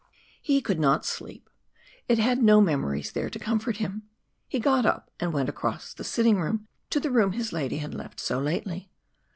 He could not sleep. It had no memories there to comfort him. He got up, and went across the sitting room to the room his lady had left so lately.